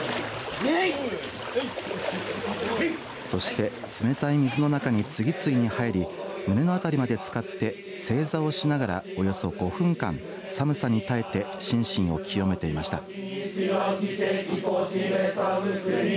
そして冷たい水の中に次々に入り胸のあたりまでつかって正座をしながら、およそ５分間寒さに耐えて心身を清めていました。